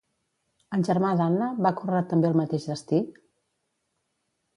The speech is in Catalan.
El germà d'Anna va córrer també el mateix destí?